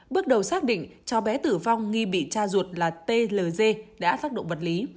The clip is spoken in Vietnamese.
bước đầu xác định cháu bé tử vong nghi bị cha ruột là tld đã tác động vật lý